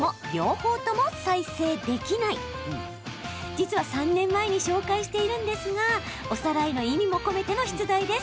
実は、３年前に紹介しているんですがおさらいの意味も込めての出題です。